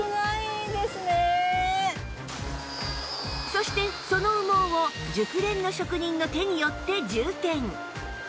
そしてその羽毛を熟練の職人の手によって充填